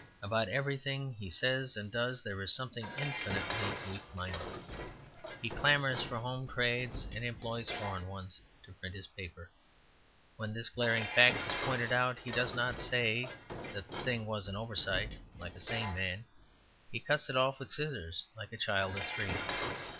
About everything he says and does there is something infinitely weak minded. He clamours for home trades and employs foreign ones to print his paper. When this glaring fact is pointed out, he does not say that the thing was an oversight, like a sane man. He cuts it off with scissors, like a child of three.